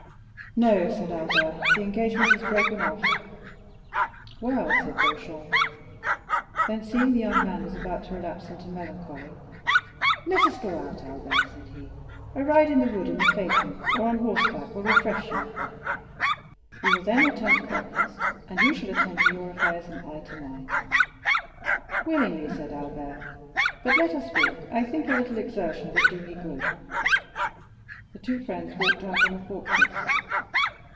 "No." said Albert, "the engagement is broken off." "Well," said Beauchamp. Then, seeing the young man was about to relapse into melancholy, "Let us go out, Albert," said he; "a ride in the wood in the phaeton, or on horseback, will refresh you; we will then return to breakfast, and you shall attend to your affairs, and I to mine." "Willingly," said Albert; "but let us walk. I think a little exertion would do me good." The two friends walked out on the fortress.